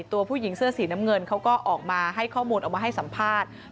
ตัวผู้หญิงเสื้อสีน้ำเงินเขาก็ออกมาให้ข้อมูลออกมาให้สัมภาษณ์